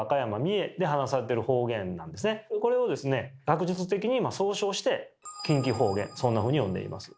学術的に総称して「近畿方言」そんなふうに呼んでいます。